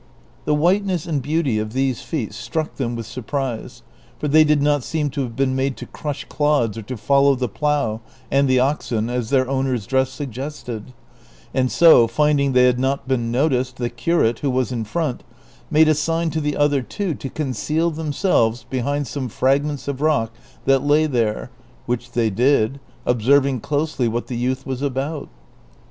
The whiteness and beauty of these feet struck them with surprise, for they did not seem to have been made to crush clods or to follow the plough and the oxen as their owner's dress suggested ; and so, finding they had not been noticed, the curate, who was in front, made a sign to the other two to conceal themselves behind some fragments of rock that lay there ; which they did, observing closely what the youth was about.